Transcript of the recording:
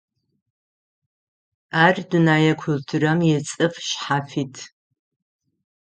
Ар дунэе культурэм ицӀыф шъхьафит.